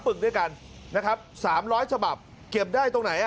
ปึกด้วยกันนะครับ๓๐๐ฉบับเก็บได้ตรงไหน